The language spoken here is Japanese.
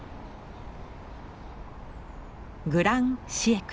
「グラン・シエクル」